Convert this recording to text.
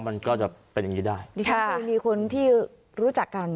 มันก็จะเป็นยังไงได้ใช่จริงไม่ใช่มีคนที่รู้จักกัน